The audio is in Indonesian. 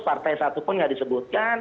partai satu pun nggak disebutkan